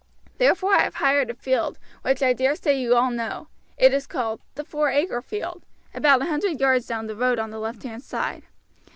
Therefore I have hired a field, which I dare say you all know; it is called 'The Four Acre Field,' about a hundred yards down the road on the left hand side.